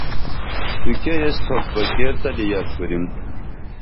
تُوکیہ ایس تھوپ بہ کیر تلی یت کُریم